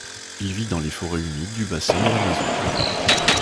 Il vit dans les forêts humides du bassin de l'Amazone.